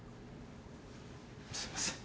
すいません。